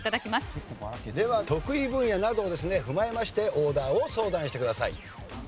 では得意分野などをですね踏まえましてオーダーを相談してください。